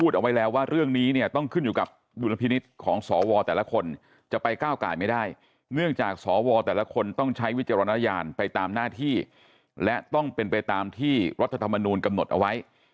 ที่รัฐธรรมนูลกำหนดเอาไว้